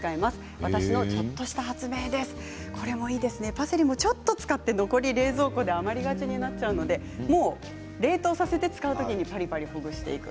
パセリもちょっと使って残り冷蔵庫で余りがちになっちゃうので冷凍させて使う時にパリパリほぐしていく。